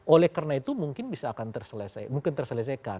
oleh karena itu mungkin bisa akan terselesaikan